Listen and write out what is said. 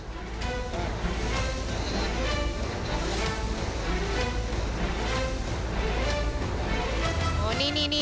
ใช่ค่ะ